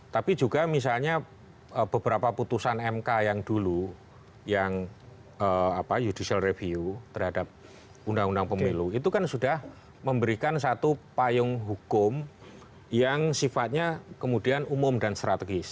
tapi juga misalnya beberapa putusan mk yang dulu yang judicial review terhadap undang undang pemilu itu kan sudah memberikan satu payung hukum yang sifatnya kemudian umum dan strategis